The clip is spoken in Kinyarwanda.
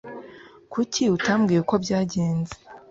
Kuki utambwiye uko byagenze